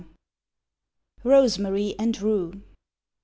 ROSEMARY AND RUE.